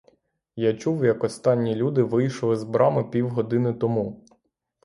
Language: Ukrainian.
Я чув, як останні люди вийшли з брами півгодини тому.